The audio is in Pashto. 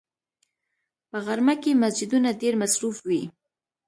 په غرمه کې مسجدونه ډېر مصروف وي